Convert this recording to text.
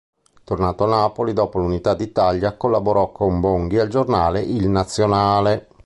Tornato a Napoli dopo l'unità d'Italia, collaborò con Bonghi al giornale “Il Nazionale”.